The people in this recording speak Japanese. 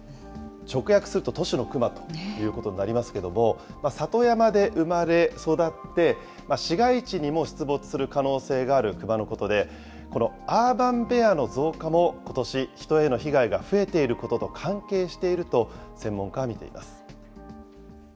直訳すると都市のクマということになりますけれども、里山で生まれ育って、市街地にも出没する可能性があるクマのことで、このアーバンベアの増加もことし、人への被害が増えていることと関係していると、専門家は見ています。